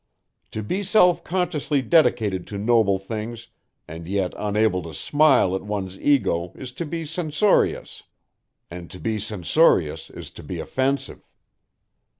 To be self consciously dedicated to noble things and yet unable to smile at one's ego is to be censorious, and to be censorious is to be offensive."